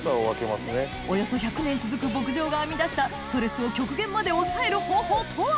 およそ１００年続く牧場が編み出したストレスを極限まで抑える方法とは？